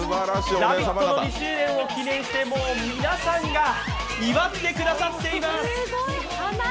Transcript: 「ラヴィット！」の２周年を記念して皆さんが祝ってくださっています！